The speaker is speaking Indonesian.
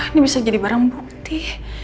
ini bisa jadi barang bukti